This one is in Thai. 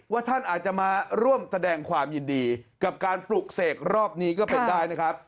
ท่านอาจจะมาร่วมแสดงความยินดีกับการปลุกเสกรอบนี้ก็เป็นได้นะครับ